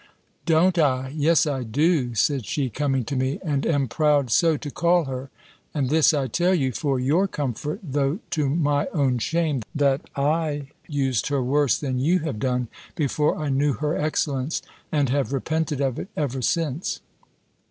"Don't I! Yes, I do," said she, coming to me, "and am proud so to call her. And this I tell you, for your comfort, though to my own shame, that I used her worse than you have done, before I knew her excellence; and have repented of it ever since."